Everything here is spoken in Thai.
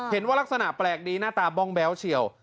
ลักษณะแปลกดีหน้าตาบ้องแบ๊วเฉียว